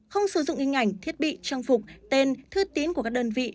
không sử dụng hình ảnh thiết bị trang phục tên thư tín của các đơn vị